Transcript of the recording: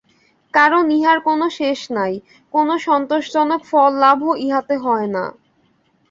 কারণ ইহার কোন শেষ নাই, কোন সন্তোষজনক ফল-লাভও ইহাতে হয় না।